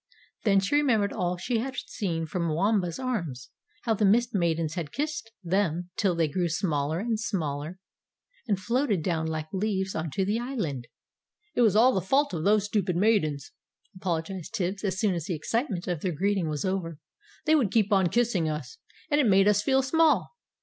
Then she remembered all she had seen from Waomba's arms how the Mist Maidens had kissed them till they grew smaller and smaller and floated down like leaves on to the island. "It was all the fault of those stupid Maidens!" apologised Tibbs, as soon as the excitement of their greeting was over. "They would keep on kissing us! And it made us feel small!